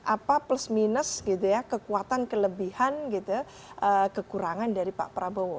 apa plus minus gitu ya kekuatan kelebihan gitu kekurangan dari pak prabowo